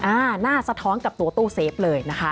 หน้าสะท้อนกับตัวตู้เซฟเลยนะคะ